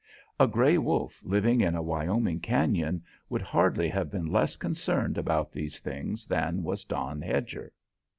A grey wolf, living in a Wyoming canyon, would hardly have been less concerned about these things than was Don Hedger.